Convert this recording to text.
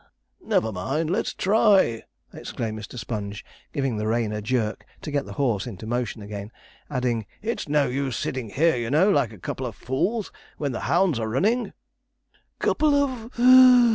'Never mind, let's try!' exclaimed Mr. Sponge, giving the rein a jerk, to get the horse into motion again; adding, 'it's no use sitting here, you know, like a couple of fools, when the hounds are running.' 'Couple of (puff)!'